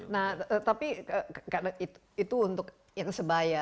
nah tapi itu untuk yang sebaya